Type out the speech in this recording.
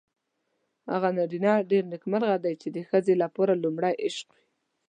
هغه نارینه ډېر نېکمرغه دی چې د ښځې لپاره لومړی عشق وي.